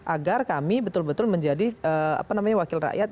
agar kami betul betul menjadi wakil rakyat